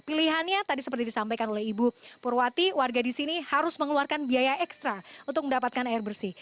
pilihannya tadi seperti disampaikan oleh ibu purwati warga di sini harus mengeluarkan biaya ekstra untuk mendapatkan air bersih